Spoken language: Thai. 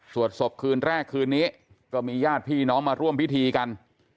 ศพคืนแรกคืนนี้ก็มีญาติพี่น้องมาร่วมพิธีกัน